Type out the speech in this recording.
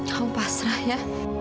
kamu pasrah ya